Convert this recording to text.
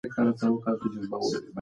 که ننګ ولرو نو وطن نه پلورل کیږي.